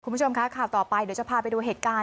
คุณผู้ชมคะข่าวต่อไปเดี๋ยวจะพาไปดูเหตุการณ์